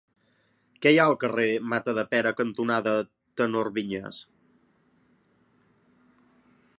Què hi ha al carrer Matadepera cantonada Tenor Viñas?